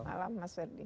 selamat malam mas ferdi